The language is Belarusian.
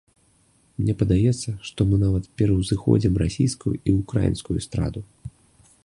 Мне падаецца, што мы нават пераўзыходзім расійскую і ўкраінскую эстраду.